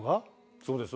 そうですよ